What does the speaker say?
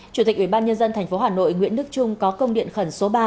chủ tịch ubnd tp hà nội nguyễn đức trung có công điện khẩn số ba